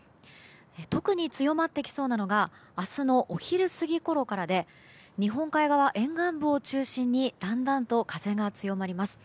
特に強まってきそうなのが明日のお昼過ぎごろからで日本海側沿岸部を中心にだんだんと風が強まります。